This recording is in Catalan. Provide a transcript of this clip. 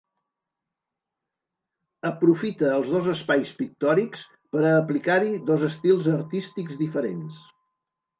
Aprofita els dos espais pictòrics per a aplicar-hi dos estils artístics diferents.